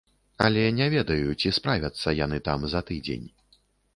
Але не ведаю, ці справяцца яны там за тыдзень.